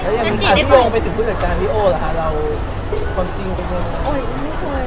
แล้วอย่างนี้ค่ะพี่โยงไปถึงผู้จัดการพี่โอ้หรือคะ